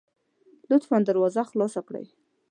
لطفا دروازه خلاصه کړئ